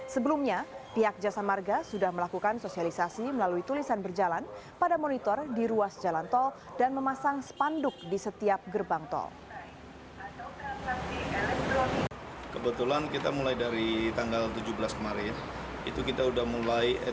sebelumnya pihak jasa marga sudah melakukan sosialisasi melalui tulisan berjalan pada monitor di ruas jalan tol dan memasang spanduk di setiap gerbang tol